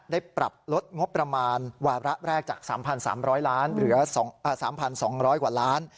ได้ปรับลดงบประมาณวาระแรกจาก๓๓๐๐ล้านเหลือ๓๒๐๐กว่าล้าน